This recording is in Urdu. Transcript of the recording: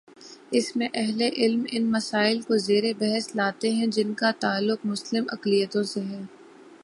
اس میں اہل علم ان مسائل کو زیر بحث لاتے ہیں جن کا تعلق مسلم اقلیتوں سے ہے۔